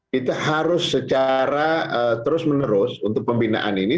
kita harus secara terus menerus untuk pembinaan ini